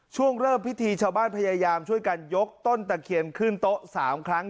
ช่วงเริ่มพิธีชาวบ้านพยายามช่วยกันยกต้นตะเคียนขึ้นโต๊ะ๓ครั้ง